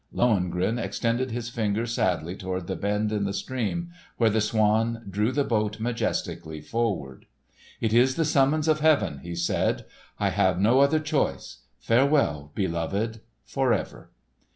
Lohengrin extended his finger sadly toward the bend in the stream, where the swan drew the boat majestically forward. "It is the summons of Heaven," he said. "I have no other choice. Farewell, beloved, forever!"